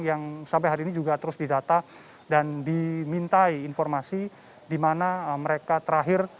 yang sampai hari ini juga terus didata dan dimintai informasi dimana mereka terakhir melihat para